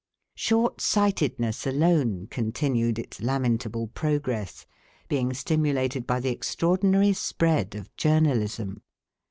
Short sightedness alone continued its lamentable progress, being stimulated by the extraordinary spread of journalism.